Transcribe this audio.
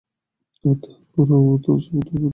আবার তাঁহার গোরাও তো সামান্য দুরন্ত গোরা নয়।